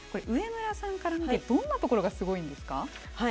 上村さんから見てどんなところがすごいんですか？